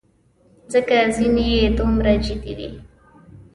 ځکه ځینې یې دومره جدي وې.